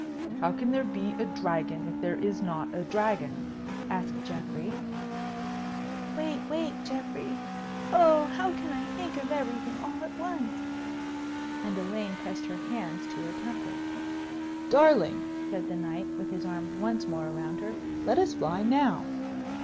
"How can there be a dragon if there is not a dragon?" asked Geoffrey. "Wait, wait, Geoffrey! Oh, how can I think of everything all at once?" and Elaine pressed her hands to her temples. "Darling," said the knight, with his arms once more around her, "let us fly now."